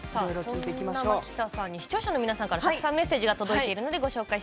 視聴者の皆さんからたくさんメッセージが届いています。